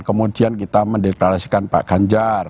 kemudian kita mendeklarasikan pak ganjar